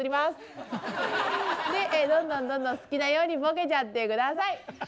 でどんどんどんどん好きなようにボケちゃって下さい。